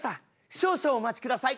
少々お待ちください。